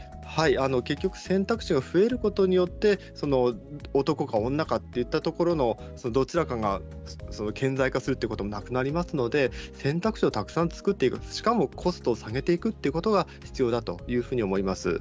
結局選択肢が増えることによって男か女かといったところのどちらかが顕在化するということもなくなりますので選択肢をたくさん作ってしかもコストを下げていくということが必要だと思います。